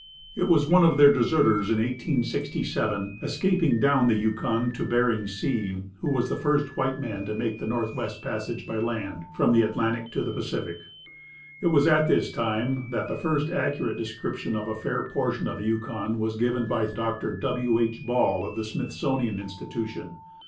It was one of their deserters, in 1867, escaping down the Yukon to Bering Sea, who was the first white man to make the North west Passage by land from the Atlantic to the Pacific. It was at this time that the first accurate description of a fair portion of the Yukon was given by Dr. W. H. Ball, of the Smithsonian Institution.